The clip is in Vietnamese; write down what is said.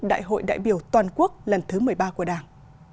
đại hội đại biểu toàn quốc lần thứ một mươi ba của đảng